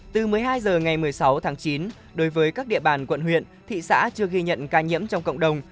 từ một mươi hai h ngày một mươi sáu tháng chín đối với các địa bàn quận huyện thị xã chưa ghi nhận ca nhiễm trong cộng đồng